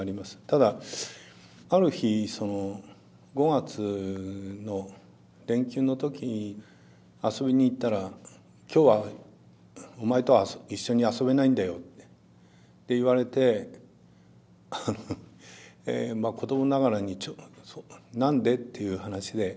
ただある日その５月の連休の時遊びに行ったら「今日はお前とは一緒に遊べないんだよ」って言われて子どもながらになんで？っていう話で。